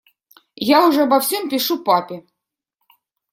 Я уже обо всем пишу папе.